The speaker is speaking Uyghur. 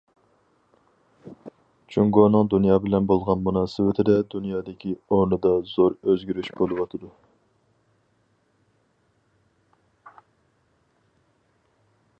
جۇڭگونىڭ دۇنيا بىلەن بولغان مۇناسىۋىتىدە، دۇنيادىكى ئورنىدا زور ئۆزگىرىش بولۇۋاتىدۇ.